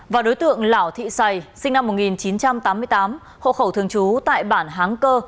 và đối tượng lảo thị sầy sinh năm một nghìn chín trăm tám mươi tám hộ khẩu thường trú tại bản háng cơ